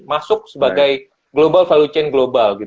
masuk sebagai global value chain global